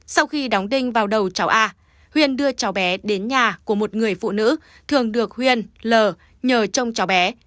sau khi đóng đinh vào đầu cháu a huyền đưa cháu bé đến nhà của một người phụ nữ thường được huyền l nhờ trong cháu bé